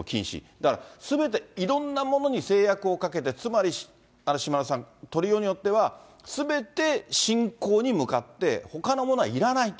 だからすべて、いろんなものに制約をかけて、つまり、島田さん、取りようによっては、すべて信仰に向かって、ほかのものはいらないと。